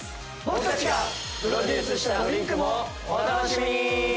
僕たちがプロデュースしたドリンクもお楽しみに！